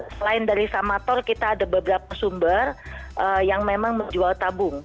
selain dari samator kita ada beberapa sumber yang memang menjual tabung